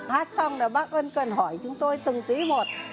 hát xong là bác ân cần hỏi chúng tôi từng tí một